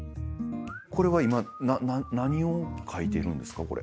これは今何を描いてるんですか？